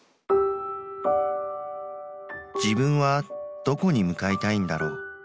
自分はどこに向かいたいんだろう。